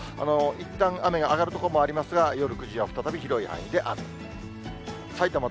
いったん雨が上がる所もありますが、夜９時は再び広い範囲で雨。